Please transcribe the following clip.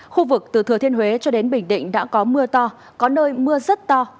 khu vực từ thừa thiên huế cho đến bình định đã có mưa to có nơi mưa rất to